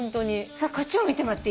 こっちも見てもらっていい？